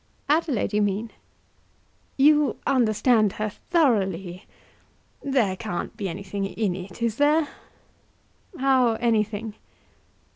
"Adelaide, you mean?" "You understand her thoroughly. There can't be anything in it; is there?" "How anything?"